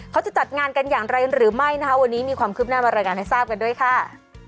เขาจะจัดงานกันอย่างไรหรือไม่นะคะวันนี้มีความคืบหน้ามารายงานให้ทราบกันด้วยค่ะ